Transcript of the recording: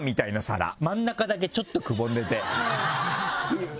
真ん中だけちょっとくぼんでて。